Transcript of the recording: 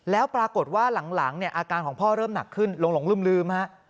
แล้วปรากฏว่าหลังเนี่ยอาการของพ่อเริ่มหนักขึ้นหลงลืมฮะ